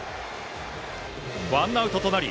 ワンアウトとなり